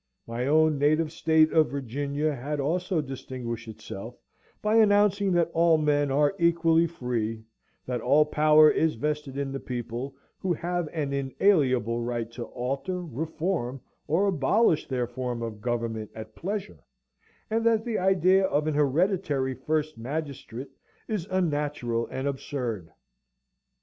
My own native state of Virginia had also distinguished itself by announcing that all men are equally free; that all power is vested in the people, who have an inalienable right to alter, reform, or abolish their form of government at pleasure, and that the idea of an hereditary first magistrate is unnatural and absurd!